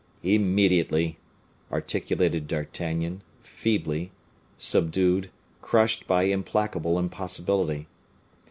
"Immediately!" articulated D'Artagnan, feebly, subdued, crushed by implacable impossibility.